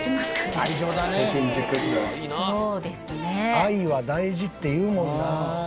愛は大事っていうもんな。